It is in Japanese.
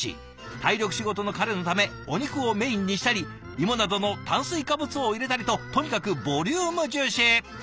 体力仕事の彼のためお肉をメインにしたり芋などの炭水化物を入れたりととにかくボリューム重視。